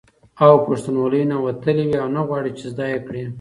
او پښتنوالي نه وتلي وي او نه غواړي، چې زده یې کړي